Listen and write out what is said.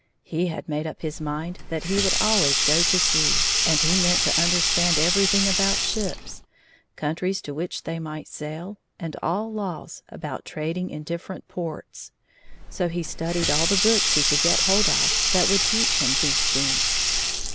He had made up his mind that he would always go to sea, and he meant to understand everything about ships, countries to which they might sail, and all laws about trading in different ports. So he studied all the books he could get hold of that would teach him these things.